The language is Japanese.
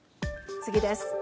次です。